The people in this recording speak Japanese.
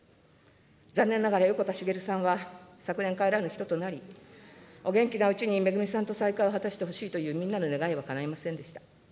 残念ながら横田滋さんは昨年帰らぬ人となり、お元気なうちにめぐみさんと再会してほしいというみんなの願いはかないませんでした。